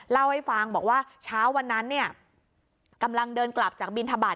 เล่าให้ฟังบอกว่าเช้าวันนั้นเนี่ยกำลังเดินกลับจากบินทบาท